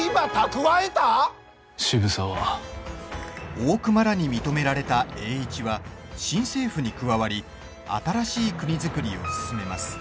大隈らに認められた栄一は新政府に加わり新しい国造りを進めます。